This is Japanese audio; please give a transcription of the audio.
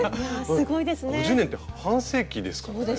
５０年って半世紀ですからね。